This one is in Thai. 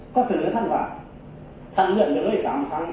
ก็เสนอท่านก่อนท่านเลือกเงินเล่วที่๓ครั้ง